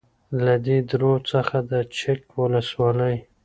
. له دې درو څخه د چک ولسوالۍ